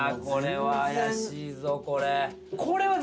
これは怪しいぞこれ。